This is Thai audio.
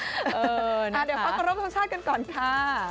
เดี๋ยวพักกระทบสัมภาษณ์กันก่อนค่ะ